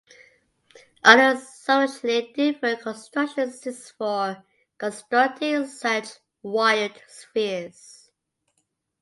Other substantially different constructions exist for constructing such "wild" spheres.